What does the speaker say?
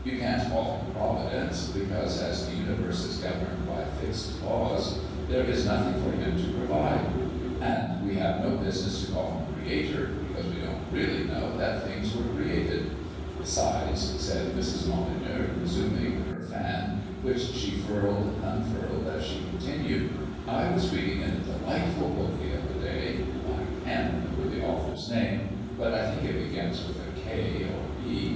You can't call Him Providence, because, as the universe is governed by fixed laws, there is nothing for him to provide; and we have no business to call Him Creator, because we don't really know that things were created. Besides," said Mrs. Molyneux, resuming her fan, which she furled and unfurled as she continued, "I was reading in a delightful book the other day I can't remember the author's name, but I think it begins with K or P.